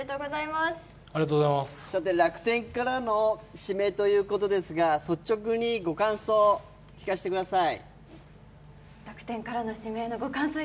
楽天からの指名ということですが、率直にご感想、聞かせてください。